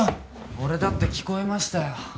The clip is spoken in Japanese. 俺だって聞こえましたよ。